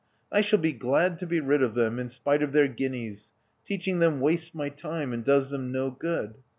I shall be glad to be rid of them, in spite of their guineas: teaching them wastes my time, and does them no good.